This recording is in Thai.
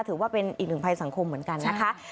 ถือว่าเป็นอีกหนึ่งภัยสังคมเหมือนกันนะคะ